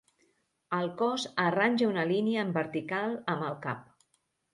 El cos arranja una línia en vertical amb el cap.